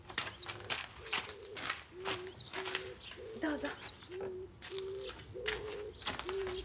どうぞ。